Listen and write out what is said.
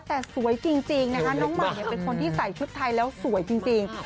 แต่สวยจริงนะคะน้องใหม่เป็นคนที่ใส่ชุดไทยแล้วสวยจริง